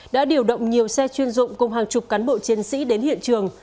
đã điều động nhiều xe chuyên dụng cùng hàng chục cán bộ chiến sĩ đến hiện trường